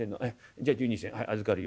じゃあ１２銭預かるよ。